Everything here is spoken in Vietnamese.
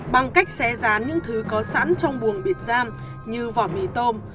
bằng cách xé rán những thứ có sẵn trong buồng biệt giam như vỏ mì tôm